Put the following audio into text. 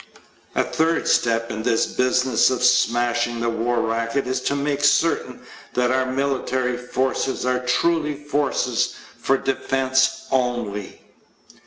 A third step in this business of smashing the war racket is to make certain that our military forces are truly forces for defense only.